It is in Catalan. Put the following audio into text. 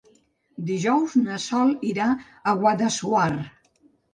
Dijous na Sol irà a Guadassuar.